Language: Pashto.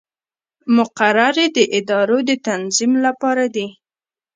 مقررې د ادارو د تنظیم لپاره دي